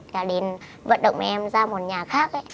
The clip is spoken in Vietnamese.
là đến vận động em ra một nhà khác